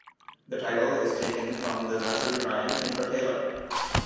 The title is taken from the nursery rhyme "Tinker, Tailor".